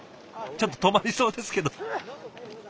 ちょっと止まりそうですけど。